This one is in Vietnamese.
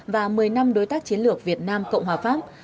và một mươi năm đối tác chiến lược việt nam cộng hòa pháp